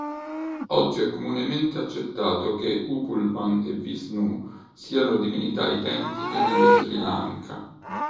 Oggi è comunemente accettato che Upulvan e Vishnu siano divinità identiche nello Sri Lanka.